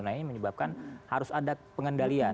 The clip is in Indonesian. nah ini menyebabkan harus ada pengendalian